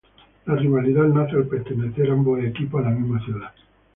La rivalidad nace al pertenecer ambos equipos a la misma ciudad.